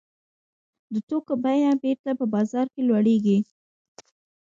د توکو بیه بېرته په بازار کې لوړېږي